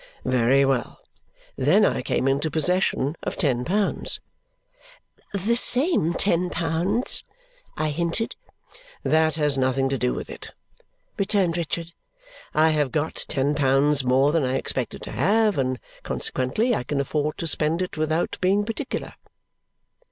"Very well! Then I came into possession of ten pounds " "The same ten pounds," I hinted. "That has nothing to do with it!" returned Richard. "I have got ten pounds more than I expected to have, and consequently I can afford to spend it without being particular."